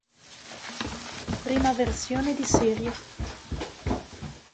Prima versione di serie.